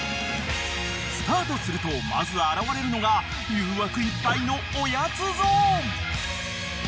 ［スタートするとまず現れるのが誘惑いっぱいのおやつゾーン］